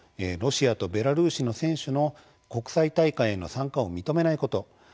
ロシアとベラルーシの選手の国際大会への参加を認めないこと